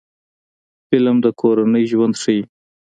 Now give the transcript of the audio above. فلم د کورنۍ ژوند ښيي